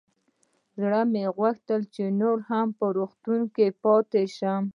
زړه مې غوښتل چې نور هم په روغتون کښې پاته سم.